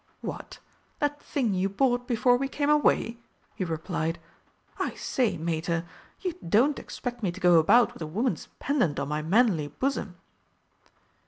"What that thing you bought before we came away!" he replied. "I say, Mater, you don't expect me to go about with a woman's pendant on my manly bosom!"